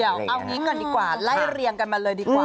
เดี๋ยวเอาอย่างนี้กันดีกว่าละเลียงกันมาเลยดีกว่า